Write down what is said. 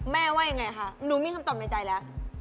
ว่ายังไงคะหนูมีคำตอบในใจแล้ว